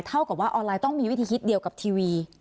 เท่ากับว่าออนไลน์ต้องมีวิธีคิดเดียวกับทีวี